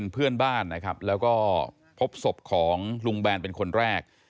เพื่อนบ้านนะครับแล้วก็พบศพของลุงแบนเป็นคนแรก